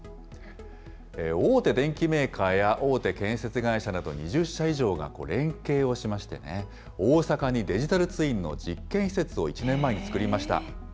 大手電機メーカーや大手建設会社など２０社以上が連携をしまして、大阪にデジタルツインの実験施設を１年前に作りました。